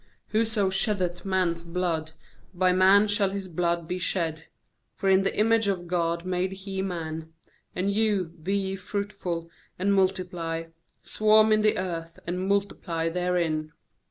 6Whoso sheddeth man's blood, by man shall his blood be shed; for in the image of God made He man. 7And you, be ye fruitful, and multiply; swarm in the earth, and multiply therein.'